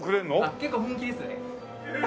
結構本気ですね？